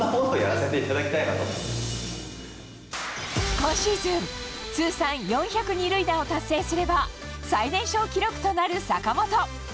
今シーズン通算４００二塁打を達成すれば最年少記録となる坂本。